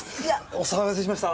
お騒がせしました。